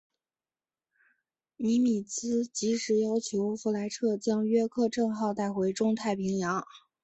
尼米兹即时要求弗莱彻将约克镇号带回中太平洋。